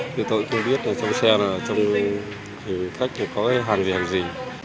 nhưng tôi cũng không biết trong xe này trong khách có hàng gì hàng gì